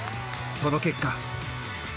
その結果。